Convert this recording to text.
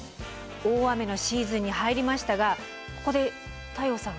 大雨のシーズンに入りましたがここで太陽さん